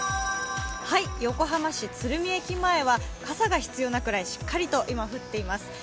横浜市鶴見駅前は傘が必要なくらいしっかりと今、降っています。